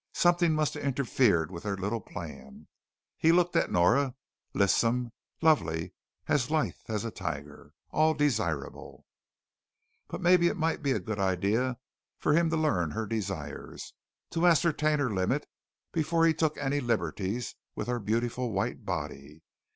Something must have interfered with their little plan. He looked at Nora, lissome, lovely, as lithe as a tiger. All desirable But maybe it might be a good idea for him to learn her desires, to ascertain her limit before he took any liberties with her beautiful white body.